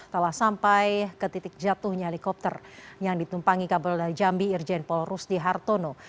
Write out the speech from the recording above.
telah sampai ke titik jatuhnya helikopter yang ditumpangi kabel dari jambi irjen paul rusdi hartono